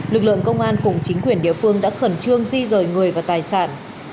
lực lượng công an cùng chính quyền địa phương đã khẩn trương di rời người và tài sản